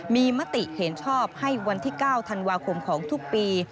มีมติเห็นชอบให้วันที่๙ธันวาคมของทุกปี